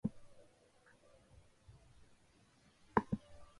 勝つことはできたんですけど、調子の波だったり、失点が多かったりした部分もあった。